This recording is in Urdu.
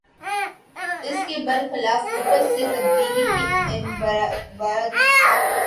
اس کے بر خلاف اوپر سے تبدیلی کے علم بردار قیادت کی تبدیلی کو ہدف بناتے ہیں۔